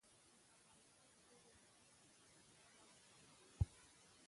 افغانستان د لمریز ځواک له امله شهرت لري.